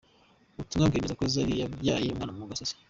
Ubutumwa bwemeza ko Zari yabyaye umwana mu gasozi.